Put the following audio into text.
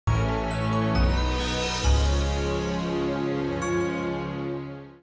sampai jumpa lagi